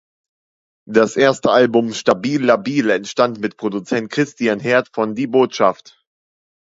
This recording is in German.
Das erste Album "Stabil labil" entstand mit Produzent Christian Heerdt von Die Botschaft.